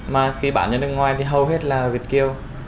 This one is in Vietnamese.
mà khi bán ở nước ngoài thì hầu hết là việt kiều